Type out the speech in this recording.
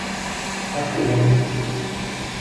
Caculé